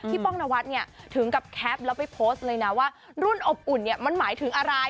ป้องนวัดเนี่ยถึงกับแคปแล้วไปโพสต์เลยนะว่ารุ่นอบอุ่นเนี่ยมันหมายถึงอะไร